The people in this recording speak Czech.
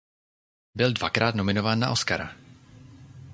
Byl dvakrát nominován na Oscara.